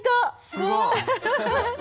すごい！